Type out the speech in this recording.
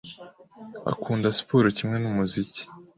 Akunda siporo kimwe n'umuziki.